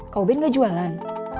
kau ben gak jualan